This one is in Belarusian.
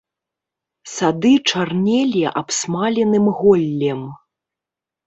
Сады чарнелі абсмаленым голлем.